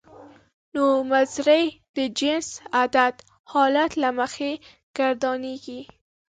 نومځری د جنس عدد حالت له مخې ګردانیږي.